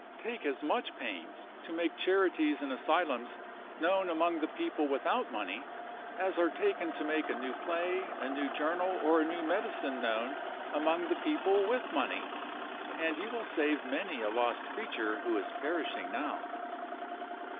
Take as much pains to make charities and asylums known among the people without money as are taken to make a new play, a new journal, or a new medicine known among the people with money and you will save many a lost creature who is perishing now.